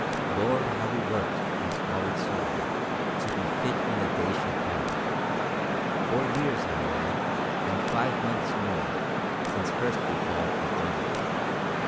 Lord, how we worked and swotted sore To be fit when the day should come! Four years, my lad, and five months more, Since first we followed the drum.